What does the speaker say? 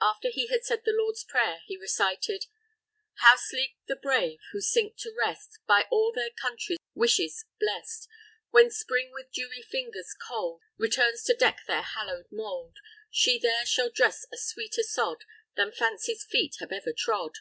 After he had said the Lord's Prayer, he recited: _How sleep the Brave, who sink to rest, By all their Country's wishes blest! When Spring, with dewy fingers cold, Returns to deck their hallowed mould, She there shall dress a sweeter sod, Than Fancy's feet have ever trod.